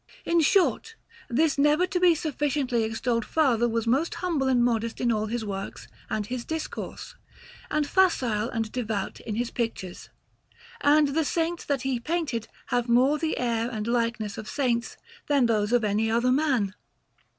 In short, this never to be sufficiently extolled father was most humble and modest in all his works and his discourse, and facile and devout in his pictures; and the Saints that he painted have more the air and likeness of Saints than those of any other man.